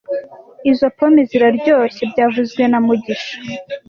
Izo pome ziraryoshye byavuzwe na mugisha